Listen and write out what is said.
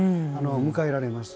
迎えられます。